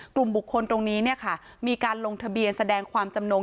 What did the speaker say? กลุ่มบุคคลตรงนี้มีการลงทะเบียนแสดงความจำนง